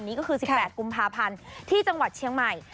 นี่ก็คือ๑๘กุมภาพันธ์ที่จังหวัดเชียงใหม่